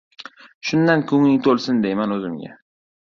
Shundan ko‘ngling to‘lsin, deyman o‘zimga.